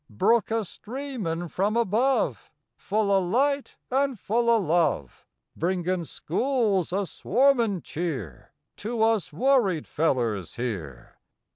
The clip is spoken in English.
Brook a streamin from above Full o light and full o love, Bringin schools o swarmin cheer To us worried fellers here.